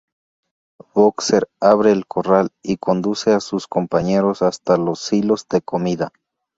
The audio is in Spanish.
Boxer abre el corral y conduce a sus compañeros hasta los silos de comida.